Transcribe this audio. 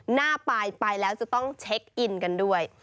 หน้าไปไปแล้วจะต้องเช็คอินกันด้วย